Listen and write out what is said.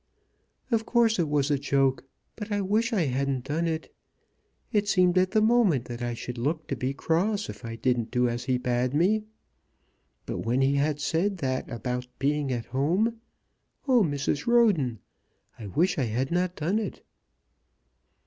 "Of course it was a joke! but I wish I hadn't done it. It seemed at the moment that I should look to be cross if I didn't do as he bade me. But when he had said that about being at home ! Oh, Mrs. Roden, I wish I had not done it."